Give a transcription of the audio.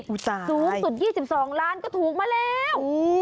สูงสุด๒๒ล้านก็ถูกมาแล้ว